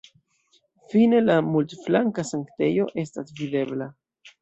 Fine la multflanka sanktejo estas videbla.